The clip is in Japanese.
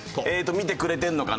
見てくれてるのかな？